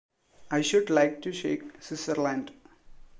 I should like to shake Switzerland.